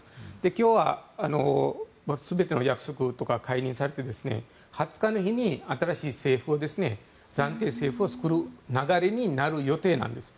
今日は全ての役職が解任されて２０日の日に新しい政府を暫定政府を作る流れになる予定なんです。